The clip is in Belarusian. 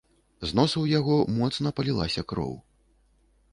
З носу ў яго моцна палілася кроў.